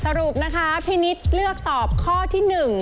สรุปนะคะพี่นิดเลือกตอบข้อที่๑